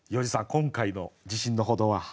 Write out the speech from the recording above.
今回の自信のほどは？